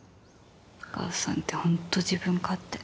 お母さんって本当自分勝手。